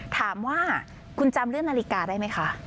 ถามว่าคุณจำเรื่องนาฬิกาได้ไหมคะ